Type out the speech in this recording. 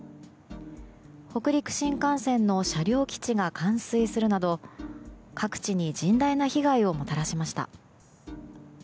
北陸新幹線の車両基地が冠水するなど各地に甚大な被害をもたらしました。